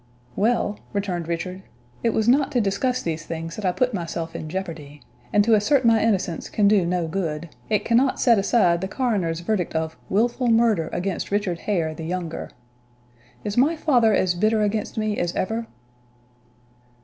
"Well," returned Richard. "It was not to discuss these things that I put myself in jeopardy; and to assert my innocence can do no good; it cannot set aside the coroner's verdict of 'Wilful murder against Richard Hare, the younger.' Is my father as bitter against me as ever?"